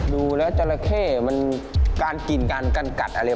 ดูแล้วจราเข้มันการกินการกันกัดอะไร